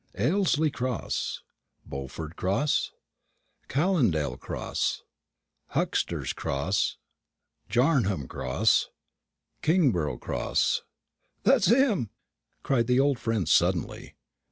"Aylsey Cross Bowford Cross Callindale Cross Huxter's Cross Jarnam Cross Kingborough Cross." "That's him!" cried my old friend suddenly.